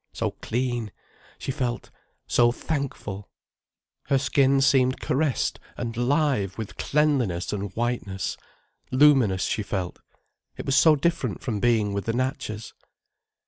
So clean, she felt, so thankful! Her skin seemed caressed and live with cleanliness and whiteness, luminous she felt. It was so different from being with the Natchas.